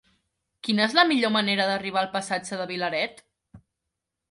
Quina és la millor manera d'arribar al passatge de Vilaret?